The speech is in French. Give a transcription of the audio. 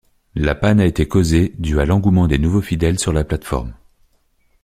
La panne a été causé dû a l'engouement des nouveaux fidèles sur la plateforme.